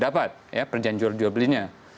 dapat perjanjian jual jual belinya